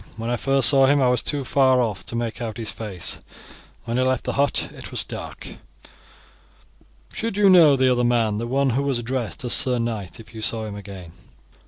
"When I first saw him I was too far off to make out his face. When he left the hut it was dark." "Should you know the other man, the one who was addressed as sir knight, if you saw him again?"